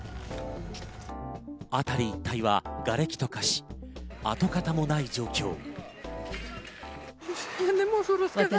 辺り一帯はがれきとかし、跡形もない状況。